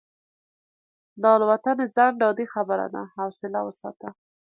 د الوتنې ځنډ عادي خبره ده، حوصله وساته.